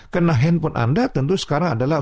karena handphone anda tentu sekarang adalah